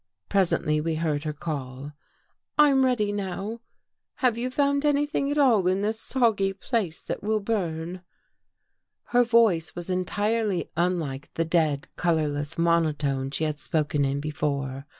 Presently we heard her call. " I'm ready now. Have you found anything at all in this soggy place that will burn? " Her voice was entirely unlike the dead, colorless monotone she had spoken in before.